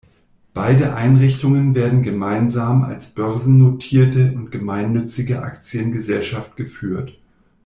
Beide Einrichtungen werden gemeinsam als börsennotierte und gemeinnützige Aktiengesellschaft geführt.